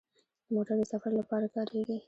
موټر د سفر لپاره کارېږي.